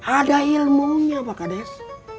ada ilmunya pak kades